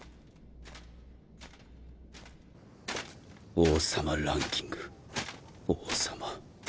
王様ランキング王様